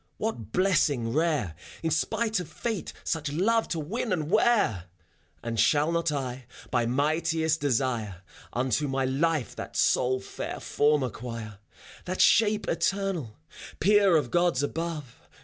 What blessing rare. In spite of Fate such love to win and wear ! And shall not I, by mightiest desire, Unto my life that sole fair form acquire. That shape eternal, peer of Gods above.